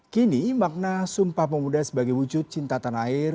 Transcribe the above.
kini makna sumpah pemuda sebagai wujud cinta tanah air